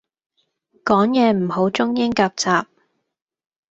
講野唔好中英夾雜